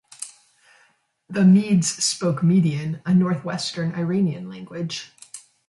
The Medes spoke Median, a north-western Iranian language.